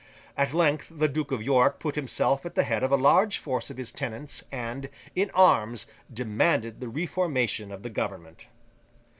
At length the Duke of York put himself at the head of a large force of his tenants, and, in arms, demanded the reformation of the Government.